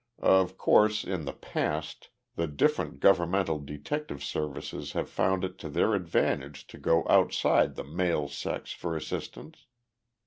Of course, in the past, the different governmental detective services have found it to their advantage to go outside the male sex for assistance.